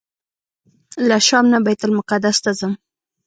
له شام نه بیت المقدس ته ځم.